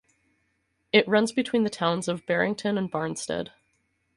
It runs between the towns of Barrington and Barnstead.